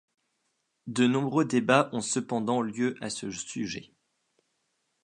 De nombreux débats ont cependant lieu à ce sujet.